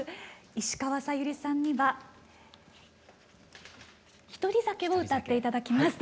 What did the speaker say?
石川さゆりさんには「獨り酒」を歌って頂きます。